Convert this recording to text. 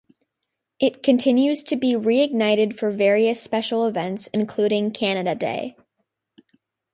It continues to be re-ignited for various special events, including Canada Day.